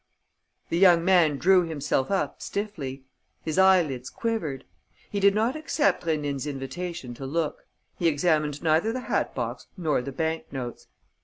The young man drew himself up stiffly. His eyelids quivered. He did not accept Rénine's invitation to look; he examined neither the hat box nor the bank notes.